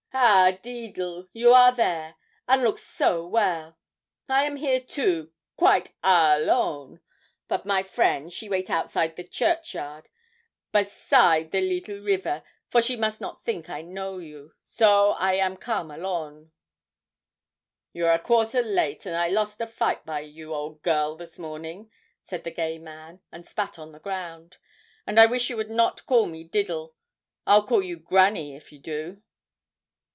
'Ha, Deedle, you are there! an' look so well. I am here, too, quite _a_lon; but my friend, she wait outside the churchyard, by side the leetle river, for she must not think I know you so I am come _a_lon.' 'You're a quarter late, and I lost a fight by you, old girl, this morning,' said the gay man, and spat on the ground; 'and I wish you would not call me Diddle. I'll call you Granny if you do.'